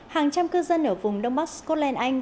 hàng trăm cư dân ở vùng đông bắc scotland anh